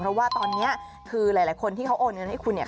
เพราะว่าตอนนี้คือหลายคนที่เขาโอนเงินให้คุณเนี่ย